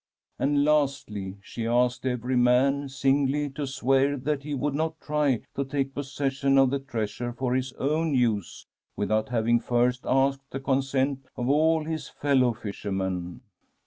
And, lastly, she asked every man singly to swear that he would not try to take possession of the treasure for his own use without having first asked the consent of all his fellow fishermen.